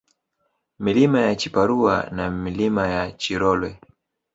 Milima ya Chiparua na Milima ya Chirolwe